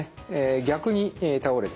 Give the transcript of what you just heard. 逆に倒れて。